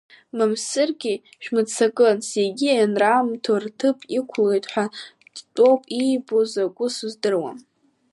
Мамсыргьы шәмыццакын, зегьы ианраамҭоу рҭыԥ иқәлоит ҳәа дтәоуп, иибо закәу сыздыруам.